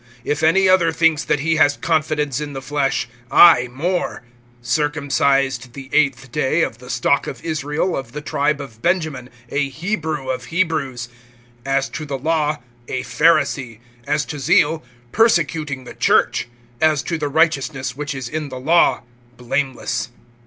If any other thinks that he has confidence in the flesh, I more; (5)circumcised the eighth day, of the stock of Israel, of the tribe of Benjamin, a Hebrew of Hebrews; as to the law, a Pharisee; (6)as to zeal, persecuting the church; as to the righteousness which is in the law, blameless.